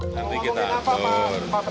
nanti kita atur